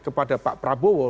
kepada pak prabowo